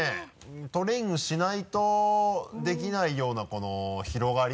トレーニングしないとできないようなこの広がり？